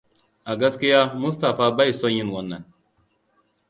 A gaskiya, Mustapha bai son yin wannan.